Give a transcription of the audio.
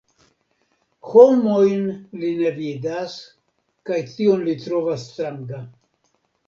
Homojn li ne vidas, kaj tion li trovas stranga.